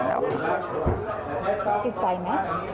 ติดใจไหม